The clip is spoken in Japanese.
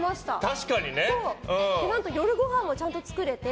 確かにね。何と夜ごはんをちゃんと作れて。